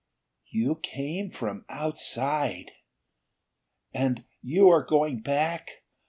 "You came from outside! And you are going back?